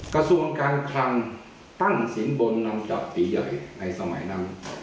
กระทรวงการคลังตั้งสินบนนำจับปีใหญ่ในสมัยนั้น